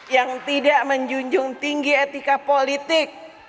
yang tidak menjunjung tinggi etika politik